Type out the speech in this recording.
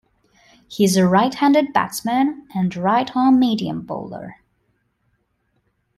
He is a right-handed batsman and a right-arm medium bowler.